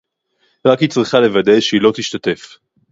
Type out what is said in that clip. רק היא צריכה לוודא שהיא לא תשתתף